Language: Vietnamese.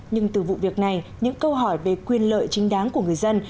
nhưng từ vụ việc này những câu hỏi về quyền lợi chính đáng của người dân